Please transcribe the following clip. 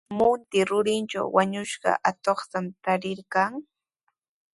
Munti rurintraw wañushqa atuqta tarirqan.